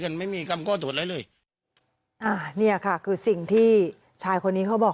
นี่ค่ะคือสิ่งที่ชายคนนี้เขาบอก